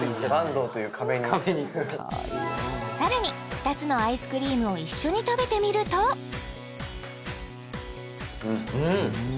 さらに２つのアイスクリームを一緒に食べてみるとうんうん！